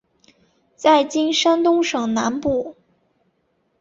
在今山东省南部。